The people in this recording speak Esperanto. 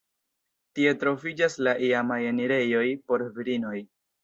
Tie troviĝas la iamaj enirejoj por virinoj.